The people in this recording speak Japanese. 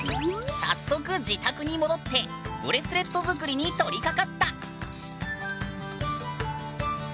早速自宅に戻ってブレスレット作りに取りかかった。